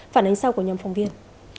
phản ánh sau của nhóm phóng viên